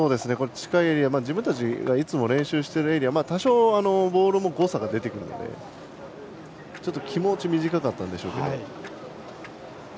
近いエリア自分たちがいつも練習してるエリア多少ボールも誤差が出てくるので気持ち短かったんでしょうけど。